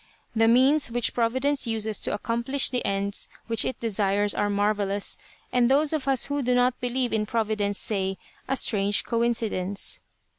The means which providence uses to accomplish the ends which it desires are marvellous, and those of us who do not believe in providence say, "a strange coincidence."